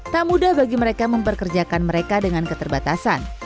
tak mudah bagi mereka memperkerjakan mereka dengan keterbatasan